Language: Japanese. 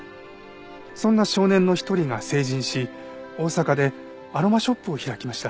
そんな少年の一人が成人し大阪でアロマショップを開きました。